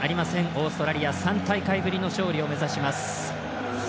オーストラリア３大会ぶりの勝利を目指します。